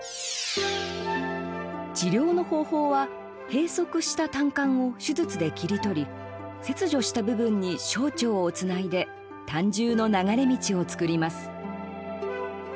治療の方法は閉塞した胆管を手術で切り取り切除した部分に小腸をつないで胆汁の流れ道を作ります。